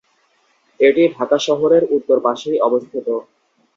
এটি ঢাকা শহরের উত্তর পাশেই অবস্থিত।